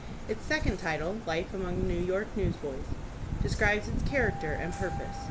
Its second title, "Life among the New York Newsboys," describes its character and purpose.